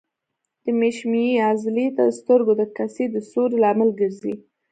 د مشیمیې عضلې د سترګو د کسي د سوري لامل ګرځي.